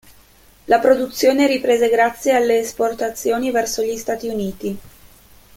La produzione riprese grazie alle esportazioni verso gli Stati Uniti.